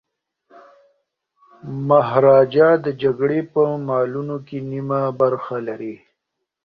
مهاراجا د جګړې په مالونو کي نیمه برخه لري.